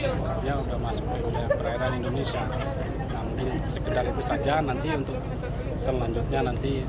kepala timur leste timur leste dan timur leste dikawal ketat aparat bersenjata